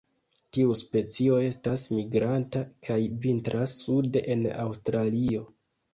Tiu specio estas migranta, kaj vintras sude en Aŭstralio.